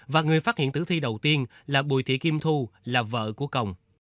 và người phát hiện tử thi đầu tiên là bùi thị kim thu là vợ của công